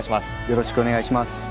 よろしくお願いします。